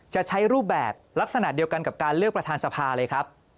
จะใช้รูปแบบลักษณะเดียวกันกับการเลือกประธานสภาเลยครับ